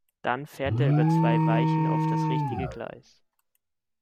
Dann fährt er über zwei Weichen auf das richtige Gleis.